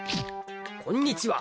こんにちは。